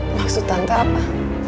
maksud tante apa